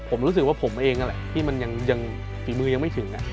ผมรู้สึกว่าผมเองนั่นแหละที่มันยังฝีมือยังไม่ถึง